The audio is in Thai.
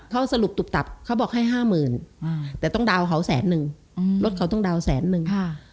เขาสรุปตุบตับเขาบอกให้ห้าหมื่นแต่ต้องดาวน์เขาแสนนึงรถเขาต้องดาวนแสนนึง